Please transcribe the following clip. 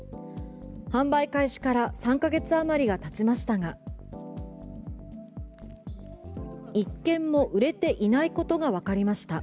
販売開始から３か月あまりがたちましたが１件も売れていないことがわかりました。